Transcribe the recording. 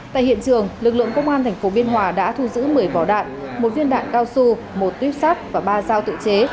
tại hiện trường lực lượng công an tp biên hòa đã thu giữ một mươi vỏ đạn một viên đạn cao su một tuyếp sắt và ba dao tự chế